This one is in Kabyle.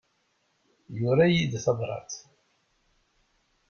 Yura-iyi-d tabrat.